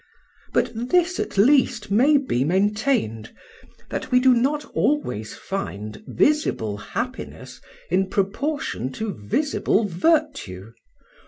But this, at least, may be maintained, that we do not always find visible happiness in proportion to visible virtue.